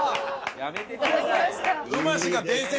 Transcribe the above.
やめてください。